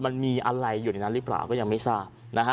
มันมีอะไรอยู่ในนั้นหรือเปล่าก็ยังไม่ทราบนะฮะ